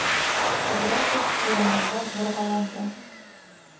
- Ҡыҙрасов урынында борғаланды.